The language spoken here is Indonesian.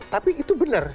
tapi itu benar